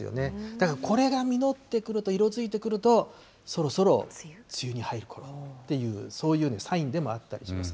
だけどこれが実ってくると、色づいてくると、そろそろ梅雨に入るという、そういうサインでもあったりします。